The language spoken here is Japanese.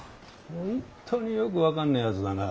本当によく分かんねえやつだな。